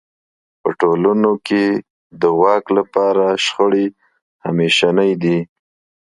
په ټولنو کې د واک لپاره شخړې همېشنۍ دي.